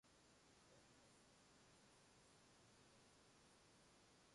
Энэ хоёр хариулт нь чанарын хувьд адилхан ч тун хөнгөн хийсвэр хариулт юм.